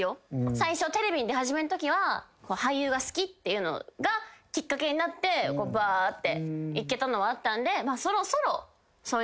最初テレビに出始めんときは俳優が好きっていうのがきっかけになってばーっていけたのはあったんで。